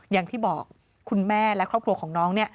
อย่างที่บอกคุณแม่และครอบครัวของน้องเนี่ย